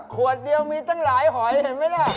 ขวดเดียวมีตั้งหลายหอยเห็นไหมล่ะ